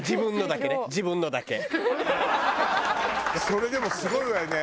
それでもすごいわよね。